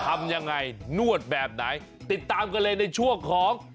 ทำยังไงนวดแบบไหนติดตามกันเลยในช่วงของ